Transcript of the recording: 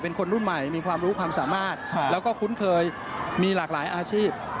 คนรุ่นใหม่มีความรู้ความสามารถแล้วก็คุ้นเคยมีหลากหลายอาชีพ